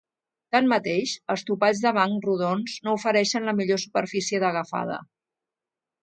Tanmateix, els topalls de banc rodons no ofereixen la millor superfície d'agafada.